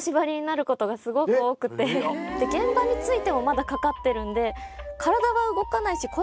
現場に着いてもまだかかってるんで。